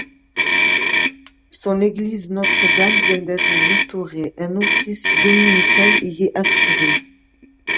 Son église Notre-Dame vient d'être restaurée, un office dominical y est assuré.